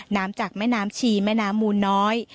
น้ำจากแม่น้ำชีแม่น้ำมูลน้อย